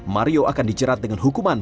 mario akan dijerat dengan hukuman